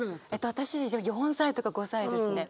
私４歳とか５歳ですね。